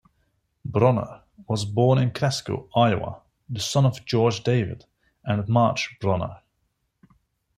Bronner was born in Cresco, Iowa, the son of George David and Marge Bronner.